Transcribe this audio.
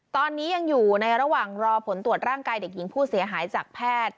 ตอนนี้ยังอยู่ในระหว่างรอผลตรวจร่างกายเด็กหญิงผู้เสียหายจากแพทย์